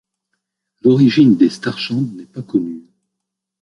L'origine des Starchands n'est pas connue.